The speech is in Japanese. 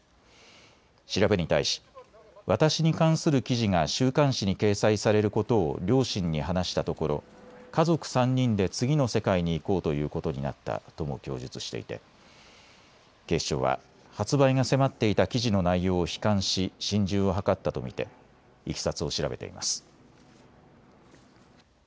調べに対し私に関する記事が週刊誌に掲載されることを両親に話したところ、家族３人で次の世界に行こうということになったとも供述していて警視庁は発売が迫っていた記事の内容を悲観し心中を図ったと見ていきさつを調べています。